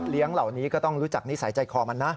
เหล่านี้ก็ต้องรู้จักนิสัยใจคอมันนะ